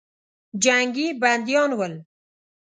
جنګي بندیان ول.